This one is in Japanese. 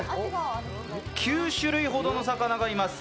９種類ほどの魚がいます。